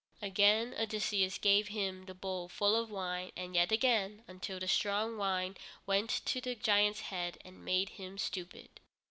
Again Odysseus gave him the bowl full of wine, and yet again, until the strong wine went to the giant's head and made him stupid.